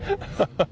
ハハハ